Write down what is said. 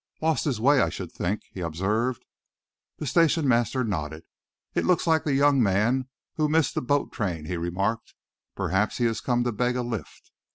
"Lost his way, I should think," he observed. The station master nodded. "It looks like the young man who missed the boat train," he remarked. "Perhaps he has come to beg a lift."